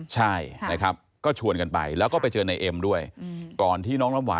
ใช่นะครับ